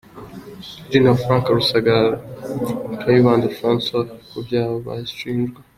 Gen. Frank Rusagara na Rtd Sgt Kabayiza Francois ku byaha bashinjwa .